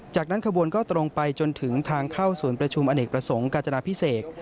จากนั้นขบวนก็ตรงไปจนถึงทางเข้าศูนย์ประชุมอเนกประสงค์กาจนาพิเศษ